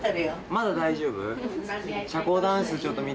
まだ大丈夫？